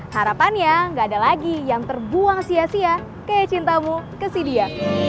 harapannya gak ada lagi yang terbuang sia sia kayak cintamu ke si dia